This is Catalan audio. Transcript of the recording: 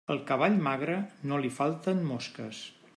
Al cavall magre no li falten mosques.